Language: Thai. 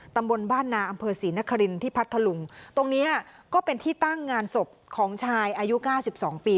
ตำบลบ้านนาอำเภอศรีนครินที่พัทธลุงตรงเนี้ยก็เป็นที่ตั้งงานศพของชายอายุเก้าสิบสองปี